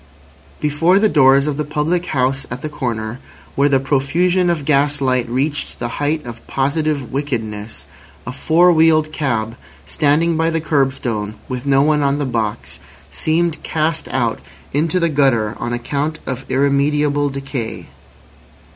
Before the doors of the public house at the corner, where the profusion of gas light reached the height of positive wickedness, a four wheeled cab standing by the curbstone with no one on the box, seemed cast out into the gutter on account of irremediable decay.